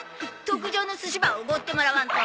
特上の寿司ばおごってもらわんと。